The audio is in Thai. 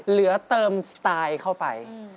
เหลือเติมสไตล์เข้าไป